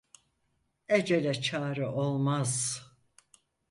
Ecele çare olmaz.